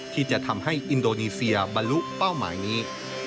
ที่จะทำให้อินโดนีเซียบรรลุเป้าหมายนี้